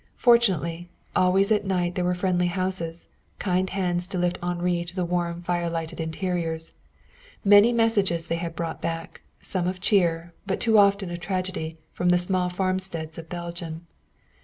Fortunately, always at night there were friendly houses, kind hands to lift Henri into warm fire lighted interiors. Many messages they had brought back, some of cheer, but too often of tragedy, from the small farmsteads of Belgium.